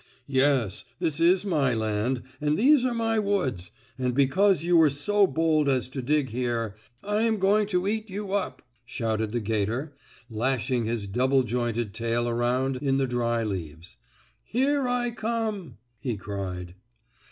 "Yes, this is my land, and these are my woods, and because you were so bold as to dig here I'm going to eat you up!" shouted the 'gator, lashing his double jointed tail around in the dried leaves. "Here I come!" he cried.